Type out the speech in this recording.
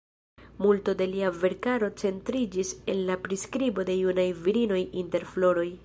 Multo el lia verkaro centriĝis en la priskribo de junaj virinoj inter floroj.